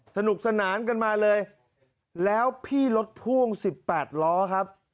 สนุกสนานกันมาเลยแล้วพี่รถพ่วง๑๘ล้อครับ